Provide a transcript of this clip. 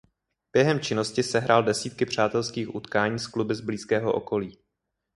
Během činnosti sehrál desítky přátelských utkání s kluby z blízkého okolí.